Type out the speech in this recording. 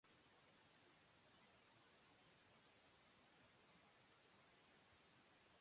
একটি সেট বিশ্লেষণী হয় যদি তার পরিপূরক বিশ্লেষণী হয়।